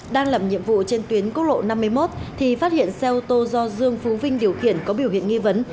đang làm nhiệm vụ trên tuyến quốc lộ năm mươi một thì phát hiện xe ô tô do dương phú vinh điều khiển có biểu hiện nghi vấn